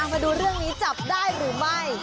มาดูเรื่องนี้จับได้หรือไม่